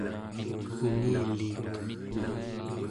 ungiliit